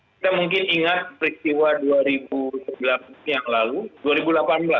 kita mungkin ingat peristiwa dua ribu delapan belas